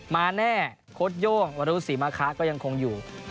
มาแน่โค้ดโย่งวรุษศรีมาคะก็ยังคงอยู่